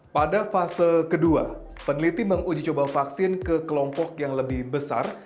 pada fase kedua peneliti menguji coba vaksin ke kelompok yang lebih besar